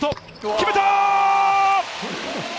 決めた！